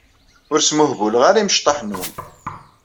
Ur smuhbuleɣ ara imecṭaḥ-nwen.